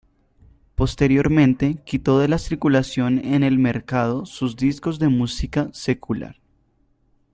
Posteriormente quitó de la circulación en el mercado sus discos de música secular.